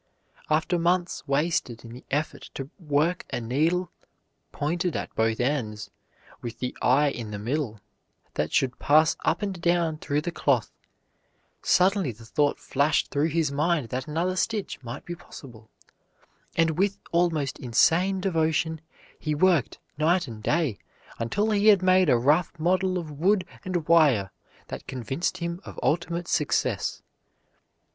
After months wasted in the effort to work a needle pointed at both ends, with the eye in the middle, that should pass up and down through the cloth, suddenly the thought flashed through his mind that another stitch must be possible, and with almost insane devotion he worked night and day, until he had made a rough model of wood and wire that convinced him of ultimate success.